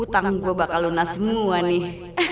tangan gue bakal lunas semua nih